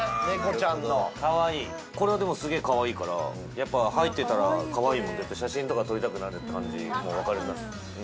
猫ちゃんのかわいいこれはでもすげえかわいいからやっぱ入ってたらかわいいもん絶対写真とか撮りたくなる感じわかります